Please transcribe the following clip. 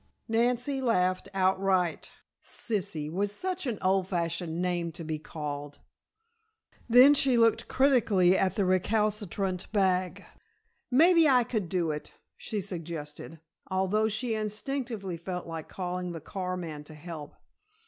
Nancy laughed outright. "Sissy" was such an old fashioned name to be called. Then she looked critically at the recalcitrant bag. "Maybe I could do it," she suggested, although she instinctively felt like calling the car man to help.